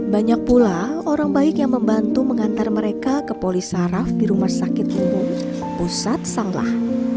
banyak pula orang baik yang membantu mengantar mereka ke polis saraf di rumah sakit umum pusat sanglah